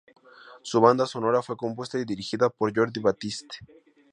Su banda sonora fue compuesta y dirigida por Jordi Batiste.